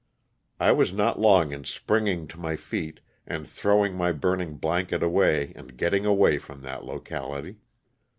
I was not long in springing to my feet and throwing my burning blanket away and getting away from that locality.